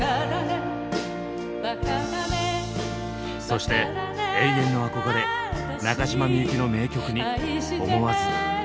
そして永遠の憧れ中島みゆきの名曲に思わず。